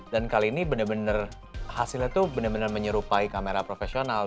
dan kali ini benar benar hasilnya tuh benar benar menyerupai kamera profesional